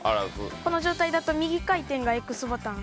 この状態だと右回転がＸボタン。